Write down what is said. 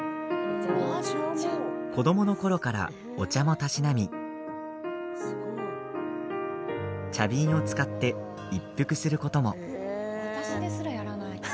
子どものころからお茶もたしなみ茶瓶を使って一服することも。